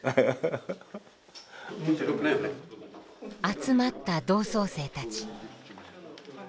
集まった同窓生たち。